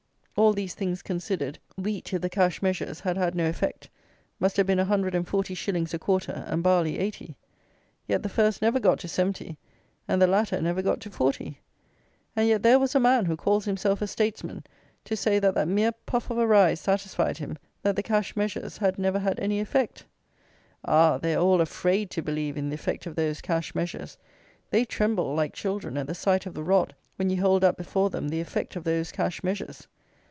All these things considered wheat, if the cash measures had had no effect, must have been a hundred and forty shillings a quarter, and barley eighty. Yet the first never got to seventy, and the latter never got to forty! And yet there was a man who calls himself a statesman to say that that mere puff of a rise satisfied him that the cash measures had never had any effect! Ah! they are all afraid to believe in the effect of those cash measures: they tremble like children at the sight of the rod, when you hold up before them the effect of those cash measures.